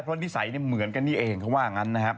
เพื่อนกันได้เพราะว่านิสัยเหมือนกันนี่เองเขาว่างั้นนะครับ